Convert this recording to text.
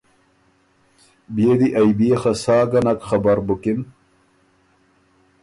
بيې دی ائ بيې خه سا ګه نک خبر بُکِن